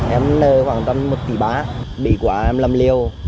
em nợ khoảng tầm một tỷ bá bị quả em làm liều